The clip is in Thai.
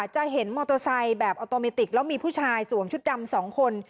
จะเห็นแบบออโตโมทมิติกแล้วมีผู้ชายส่วมชุดดำสองคน